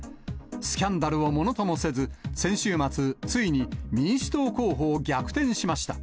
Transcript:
スキャンダルをものともせず、先週末、ついに民主党候補を逆転しました。